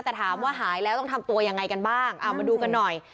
แต่ถามว่าหายแล้วต้องทำตัวยังไงกันบ้างเอามาดูกันหน่อย